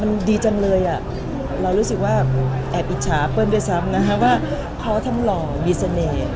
มันดีจังเลยอ่ะเรารู้สึกว่าแอบอิจฉาเปิ้ลด้วยซ้ำนะคะว่าเขาทำหล่อมีเสน่ห์